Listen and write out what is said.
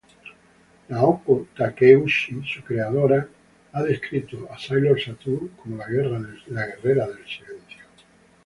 Naoko Takeuchi, su creadora, ha descrito a Sailor Saturn como la "Guerrera del Silencio".